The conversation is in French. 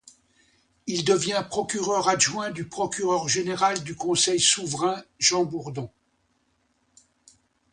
Il devient procureur adjoint du procureur général du Conseil souverain Jean Bourdon.